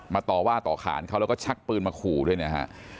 ต่อว่าต่อขานเขาแล้วก็ชักปืนมาขู่ด้วยนะฮะ